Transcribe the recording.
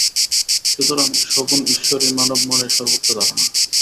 সুতরাং সগুণ ঈশ্বরই মানব-মনের সর্ব্বোচ্চ ধারণা।